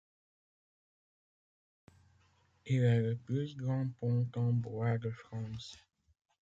Il est le plus grand pont en bois de France.